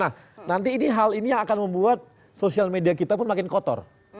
nah nanti ini hal ini yang akan membuat sosial media kita pun makin kotor